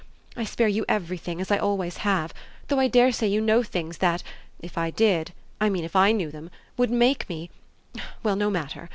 I spare you everything, as I always have; though I dare say you know things that, if I did (I mean if I knew them) would make me well, no matter!